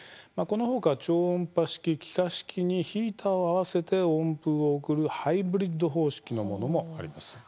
このほか超音波式、気化式にヒーターを合わせて温風を送るハイブリッド方式のものもあります。